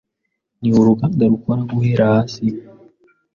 ni uruganda rukora guhera hasi